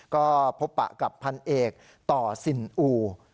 ก็พบปะกับพันเอกต่อสินอู